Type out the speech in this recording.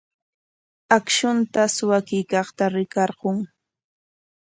Akshunta suwakuykaqta rikarqun.